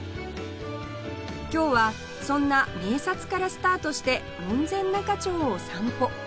今日はそんな名刹からスタートして門前仲町を散歩